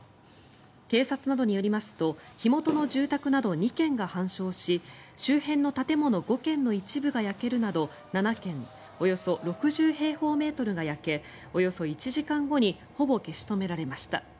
警察などによりますと火元の住宅など２軒が半焼し周辺の建物５軒の一部が焼けるなど７軒およそ６０平方メートルが焼けおよそ１時間後にほぼ消し止められました。